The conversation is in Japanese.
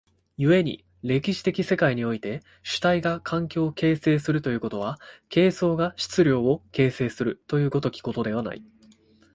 故に歴史的世界において主体が環境を形成するということは、形相が質料を形成するという如きことではない。